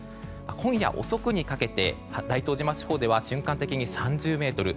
今夜遅くにかけて大東島地方では瞬間的に３０メートル